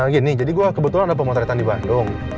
gini jadi gue kebetulan ada pemotretan di bandung